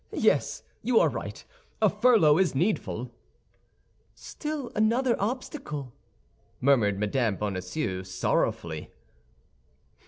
Yes, you are right; a furlough is needful." "Still another obstacle," murmured Mme. Bonacieux, sorrowfully.